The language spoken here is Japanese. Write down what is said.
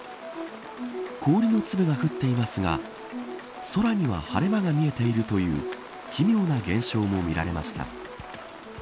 氷の粒が降っていますが空には晴れ間が見えているという奇妙な現象も見られました。